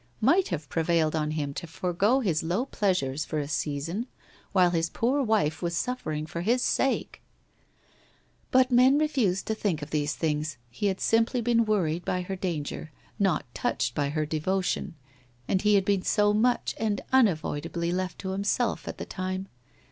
— might have prevailed on him to forego his low pleasures for a season while his poor wife was suffering for his sake ! But men refuse to think of these things, he had simply been worried by her danger, not touched by her devotion, and he had been so much and unavoidably left to himself at the time.